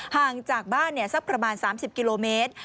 ห่างจากบ้านสักประมาณ๓๐กิโลเมตร